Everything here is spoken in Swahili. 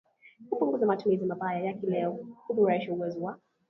kupunguza matumizi mabaya ya kileo kuboresha uwezo wa